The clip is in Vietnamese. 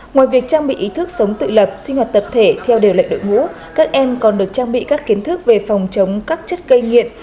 ngoài việc trang bị ý thức sống tự lập sinh hoạt tập thể theo điều lệnh đội ngũ các em còn được trang bị các kiến thức về phòng chống các chất gây nghiện